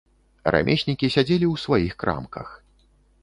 Рамеснікі сядзелі ў сваіх крамках.